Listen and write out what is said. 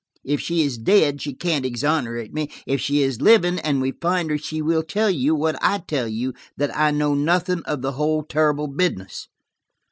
If she is dead, she can't exonerate me; if she is living, and we find her, she will tell you what I tell you–that I know nothing of the whole terrible business."